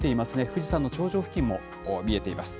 富士山の頂上付近も見えています。